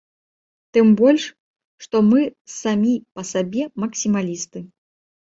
Тым больш, што мы самі па сабе максімалісты.